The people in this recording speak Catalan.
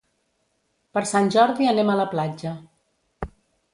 Per Sant Jordi anem a la platja.